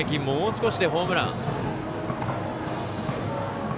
もう少しでホームラン。